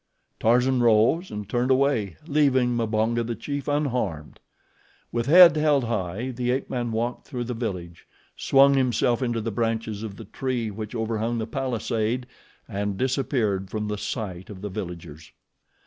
Tarzan rose and turned away, leaving Mbonga, the chief, unharmed. With head held high the ape man walked through the village, swung himself into the branches of the tree which overhung the palisade and disappeared from the sight of the villagers.